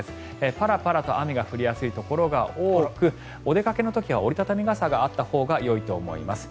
パラパラと雨が降りやすいところが多くお出かけの時は折り畳み傘があったほうがよいと思います。